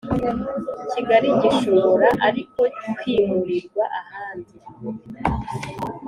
Kigali Gishobora ariko kwimurirwa ahandi